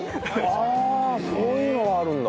ああそういうのがあるんだ。